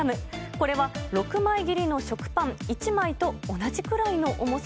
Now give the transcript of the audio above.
これは６枚切りの食パン１枚と同じくらいの重さ。